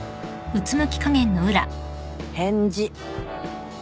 返事。